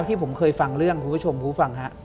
ที่ผมเคยฟังเรื่องคุณผู้ชมผู้ฟังฮะ